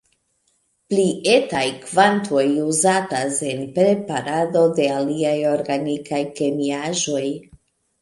Pli etaj kvantoj uzatas en preparado de aliaj organikaj kemiaĵoj.